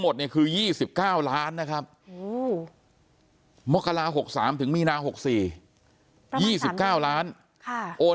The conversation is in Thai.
เนี่ยคือ๒๙ล้านนะครับมกรา๖๓ถึงมีนา๖๔๒๙ล้านโอน